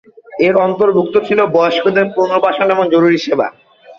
এর অন্তর্ভুক্ত ছিল বয়স্কদের পুনর্বাসন এবং জরুরি সেবা।